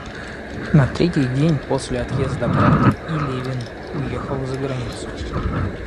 На третий день после отъезда брата и Левин уехал за границу.